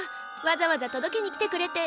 わざわざ届けに来てくれて。